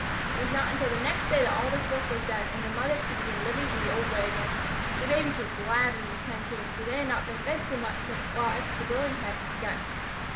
It was not until the next day that all this work was done, and the mothers could begin living in the old way again. The babies were glad when this time came, for they had not been fed so much while extra building had to be done.